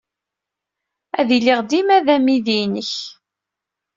Ad iliɣ dima d amidi-nnek.